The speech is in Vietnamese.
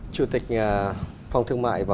chủ tịch phòng thương mại và